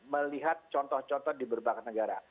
melihat contoh contoh di berbagai negara